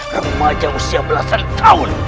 remaja usia belasan tahun